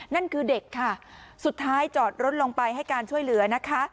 นั่นคือเด็กค่ะสุดท้ายจอดรถลงไปให้การช่วยเหลือนะคะ